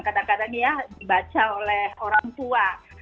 kadang kadang ya dibaca oleh orang tua